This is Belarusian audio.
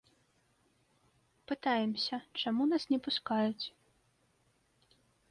Пытаемся, чаму нас не пускаюць.